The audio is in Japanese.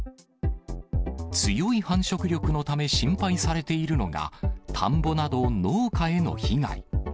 強い繁殖力のため、心配されているのが、田んぼなど農家への被害。